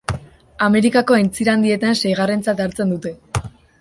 Amerikako Aintzira Handietan seigarrentzat hartzen dute.